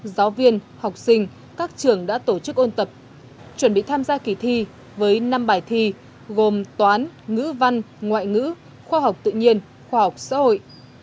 giáo viên học sinh các trường đã tổ chức ôn tập chuẩn bị tham gia kỳ thi với năm bài thi gồm toán ngữ văn ngoại ngữ khoa học tự nhiên khoa học xã hội